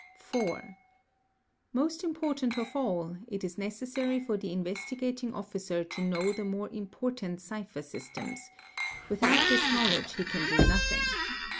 4. Most important of all, it is necessary for the Investigati1 IT Officer to know the more important cipher systems; without this knot ledge he can do nothing.